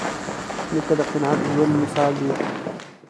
نیکه د قناعت ژوندي مثال وي.